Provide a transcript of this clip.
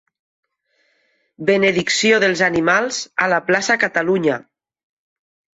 Benedicció dels animals a la Plaça Catalunya.